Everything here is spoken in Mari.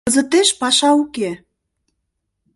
Кызытеш паша уке.